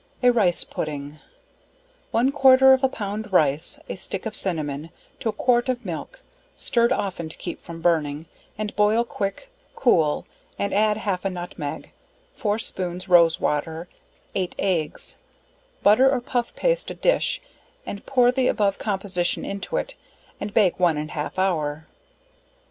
A Rice Pudding. One quarter of a pound rice, a stick of cinnamon, to a quart of milk (stirred often to keep from burning) and boil quick, cool and add half a nutmeg, 4 spoons rose water, 8 eggs; butter or puff paste a dish and pour the above composition into it, and bake one and half hour.